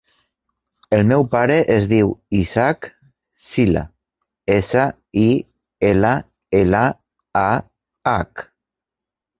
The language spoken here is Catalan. El meu pare es diu Ishaq Sillah: essa, i, ela, ela, a, hac.